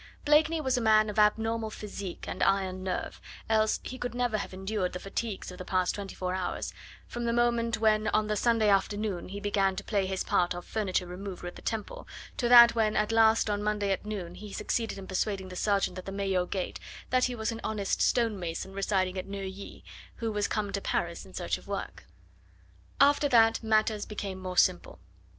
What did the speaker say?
Blakeney was a man of abnormal physique and iron nerve, else he could never have endured the fatigues of the past twenty four hours, from the moment when on the Sunday afternoon he began to play his part of furniture remover at the Temple, to that when at last on Monday at noon he succeeded in persuading the sergeant at the Maillot gate that he was an honest stonemason residing at Neuilly, who was come to Paris in search of work. After that matters became more simple.